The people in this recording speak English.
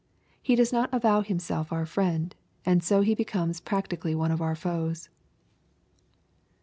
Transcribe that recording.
He does not avov7 himself ooi fiiend, and so he becomes practically one of our foes.